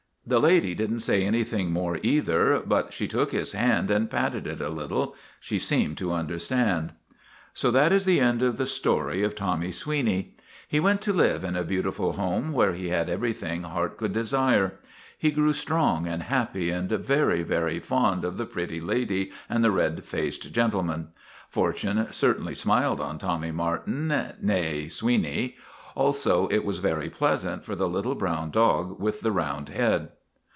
The lady did n't say anything more, either, but she took his hand and patted it a little. She seemed to understand. So that is the end of the story of Tommy Sweeney. He went to live in a beautiful home where he had everything heart could desire. He grew strong and happy and very, very fond of the pretty lady and the red faced gentleman. Fortune certainly smiled on Tommy Martin, nee Sweeney. Also it was very pleasant for the little brown dog with the round head.